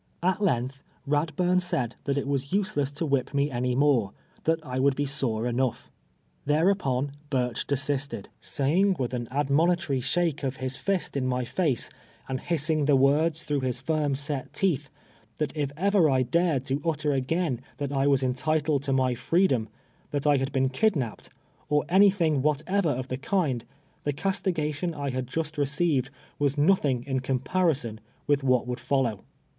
At length Eadbnrn said that it was useless to whip me any more — that I would be sore enough. There upon, Burch desisted, saying, with an admonitory 46 TWELVE YEAK8 A ELATE. shake f)f liis fist in my face, and liissing the words throu^li liis lina set teeth, that if ever I (hired to utter a^^aiu tluit I was entitle*! to my freedom, that I ]i;ul hi.'L'n ki(hia})i)ed, or any thing Avhatever of the kiiuh tlie eastigation I liad just received was nothing in ciiinj)arison with what wouM f<jll<>V\'.